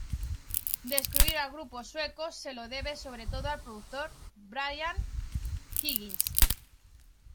Descubrir al grupo sueco se lo debe sobre todo al productor Brian Higgins.